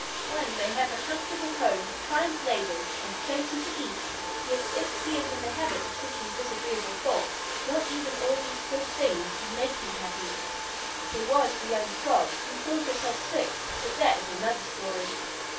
One may have a comfortable home, kind neighbors, and plenty to eat, yet if he is in the habit of thinking disagreeable thoughts, not even all these good things can make him happy. Now there was the young Frog who thought herself sick but that is another story.